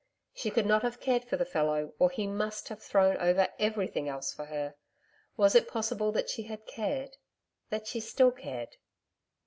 She could not have cared for the fellow, or he MUST have thrown over everything else for her. Was it possible that she had cared that she still cared?